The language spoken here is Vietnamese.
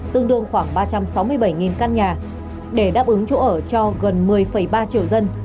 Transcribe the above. tương đương khoảng ba trăm sáu mươi bảy căn nhà để đáp ứng chỗ ở cho gần một mươi ba triệu dân